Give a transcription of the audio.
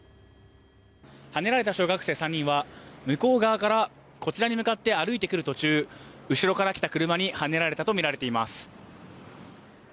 はねられた小学生３人は向こう側からこちらに向かって歩いてくる途中後ろから来た車にはねられたとみられています。